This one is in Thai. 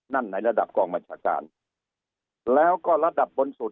นั่นไหนระดับกองมันชาการแล้วก็ระดับบนสุด